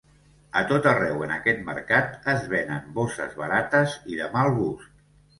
A tot arreu en aquest mercat es venen bosses barates i de mal gust.